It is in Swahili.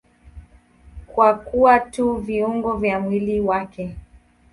Kwa kuwa tu viungo vya mwili wake.